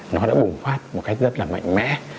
nó đã bùng phát một cách rất là mạnh mẽ